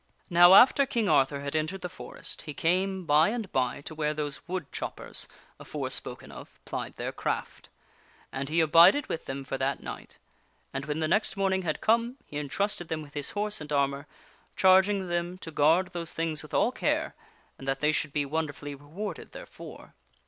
Now after King Arthur had entered the forest, he came by and by to where those wood choppers, afore spoken of, plied their craft. And he abided with them for that night; and when the next morning had come, he intrusted them with his horse and armor, charging them to guard those things with all care, and that they should be wonder j^ ingArthur fully rewarded therefor.